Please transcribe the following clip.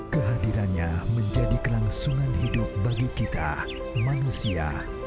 kehadirannya menjadi kelangsungan hidup bagi kita manusia